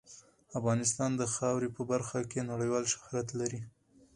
افغانستان د خاوره په برخه کې نړیوال شهرت لري.